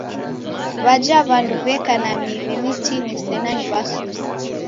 W'aja w'andu w'eka na miw'i mtini sena ni w'asuse.